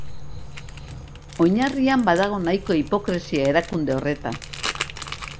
Oinarrian, badago nahikoa hipokresia erakunde horretan.